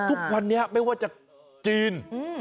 ทุกวันนี้ไม่ว่าจะจีน